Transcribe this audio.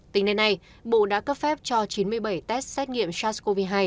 tính đến nay bộ đã cấp phép cho chín mươi bảy test xét nghiệm sars cov hai